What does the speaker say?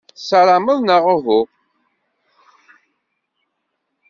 Tessarameḍ, neɣ uhu?